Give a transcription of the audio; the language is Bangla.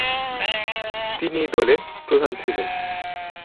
তিনি এই দলের প্রধান ছিলেন।